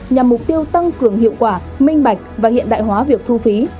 nhằm mục tiêu tăng cường hiệu quả minh bạch và hiện đại hóa việc thu phí